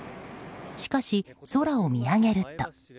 しかし、空を見上げると。